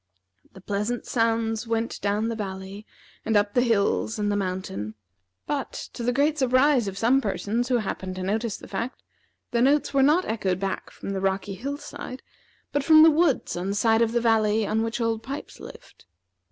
The pleasant sounds went down the valley and up the hills and mountain, but, to the great surprise of some persons who happened to notice the fact, the notes were not echoed back from the rocky hill side, but from the woods on the side of the valley on which Old Pipes lived.